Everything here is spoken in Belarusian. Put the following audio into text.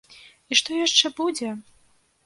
І што яшчэ будзе!